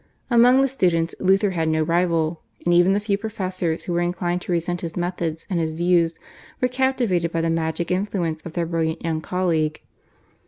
Amongst the students Luther had no rival, and even the few professors who were inclined to resent his methods and his views were captivated by the magic influence of their brilliant young colleague.